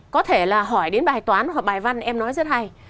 có thể là hỏi đến bài toán hoặc bài văn em nói rất hay